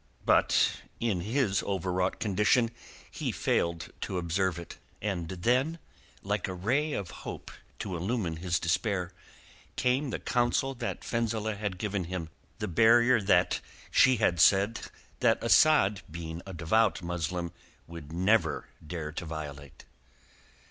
But in his overwrought condition he failed to observe it. And then like a ray of hope to illumine his despair came the counsel that Fenzileh had given him, the barrier which she had said that Asad, being a devout Muslim, would never dare to violate.